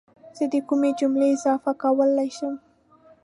زه کومې جملې اضافه کولی شم